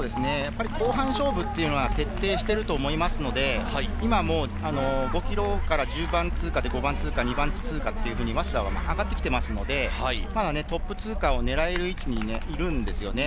後半勝負というのは徹底していると思いますので、今、５ｋｍから１０番通過で５番通過、２番通過と早稲田は上がってきていますので、トップ通過を狙える位置にいるんですよね。